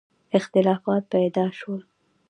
اختلافات پیدا شول.